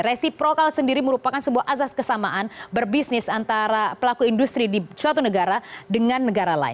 resiprokal sendiri merupakan sebuah azas kesamaan berbisnis antara pelaku industri di suatu negara dengan negara lain